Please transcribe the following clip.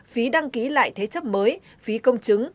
phí đăng ký lại thế chấp mới phí công chứng